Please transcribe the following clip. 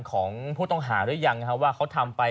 ของผู้ต้องหาด้วยยังนะครับว่าเขาทำไป